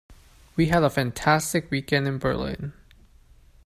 We had a fantastic weekend in Berlin.